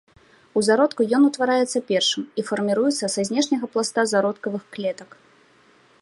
У зародку ён утвараецца першым і фарміруецца са знешняга пласта зародкавых клетак.